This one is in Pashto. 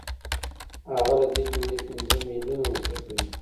هغه له دې جملې پنځه میلیونه مصرفوي